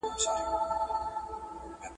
روان هم ګڼې ماناوې لري.